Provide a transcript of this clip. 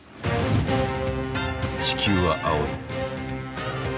地球は青い。